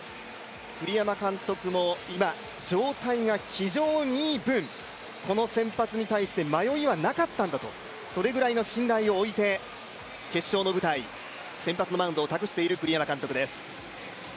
栗山監督も今、状態が非常にいい分、この先発に対して迷いはなかったんだと、それぐらいの信頼を置いて決勝の舞台、先発のマウンドを託している栗山監督です。